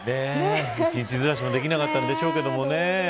日にちずらしもできなかったんでしょうけどね。